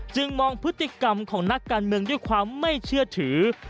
มองพฤติกรรมของนักการเมืองด้วยความไม่เชื่อถือ